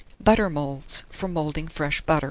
BUTTER MOULDS, for Moulding Fresh Butter.